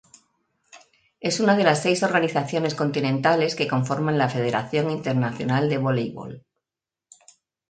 Es una de las seis organizaciones continentales que conforman la Federación Internacional de Voleibol.